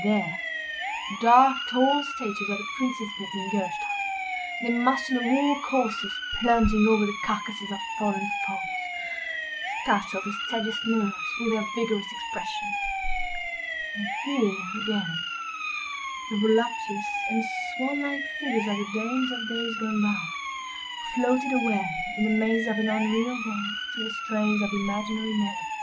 There, the dark, tall statures of the Princes Metzengerstein—their muscular war coursers plunging over the carcasses of fallen foes—startled the steadiest nerves with their vigorous expression; and here, again, the voluptuous and swan like figures of the dames of days gone by, floated away in the mazes of an unreal dance to the strains of imaginary melody.